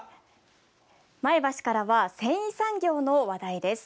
前橋から繊維産業の話題です。